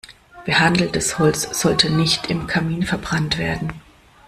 Behandeltes Holz sollte nicht im Kamin verbrannt werden.